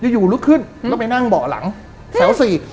ยู่ลุกขึ้นแล้วไปนั่งเบาะหลังแถว๔